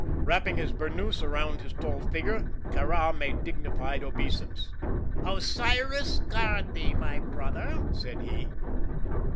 Wrapping his burnous around his tall figure, Kāra made dignified obeisance. "Osiris guard thee, my brother," said he.